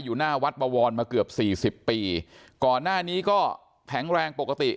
หน้าวัดบวรมาเกือบสี่สิบปีก่อนหน้านี้ก็แข็งแรงปกติ